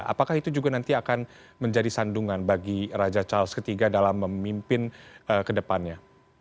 apakah itu juga nanti akan menjadi sandungan bagi raja charles iii dalam memimpin ke depannya